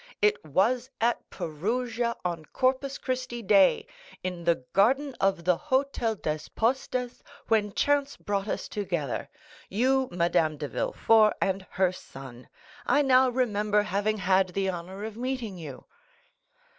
"It was at Perugia on Corpus Christi Day, in the garden of the Hôtel des Postes, when chance brought us together; you, Madame de Villefort, and her son; I now remember having had the honor of meeting you."